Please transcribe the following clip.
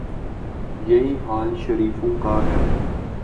یہی حال شریفوں کا ہے۔